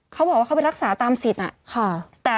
เขาบอกว่าเขาไปรักษาตามสิทธิ์